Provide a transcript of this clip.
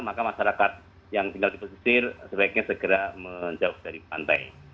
maka masyarakat yang tinggal di pesisir sebaiknya segera menjauh dari pantai